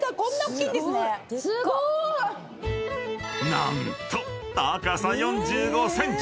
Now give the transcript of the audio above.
［何と高さ４５ｃｍ！］